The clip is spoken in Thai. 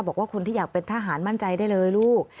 บอกว่าคนที่อยากเป็นทหารมั่นใจได้เลยลูก